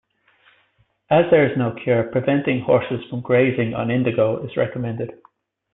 As there is no cure, preventing horses from grazing on indigo is recommended.